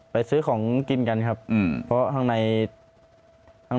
ไปซื้อของกินกันครับเพราะฮั่งในนู้นมันจะเป็น